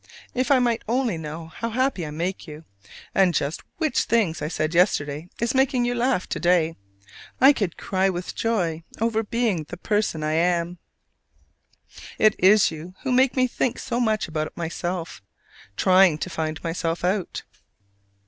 If I might only know how happy I make you, and just which thing I said yesterday is making you laugh to day I could cry with joy over being the person I am. It is you who make me think so much about myself, trying to find myself out.